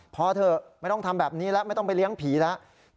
พอเถอะไม่ต้องทำแบบนี้แล้วไม่ต้องไปเลี้ยงผีแล้ว